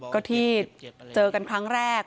ก็ที่เจอกันครั้งแรก